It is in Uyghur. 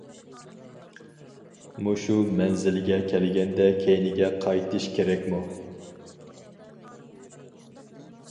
مۇشۇ مەنزىلگە كەلگەندە كەينىگە قايتىش كېرەكمۇ؟ !